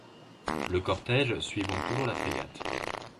Le cortège suivant toujours la frégate.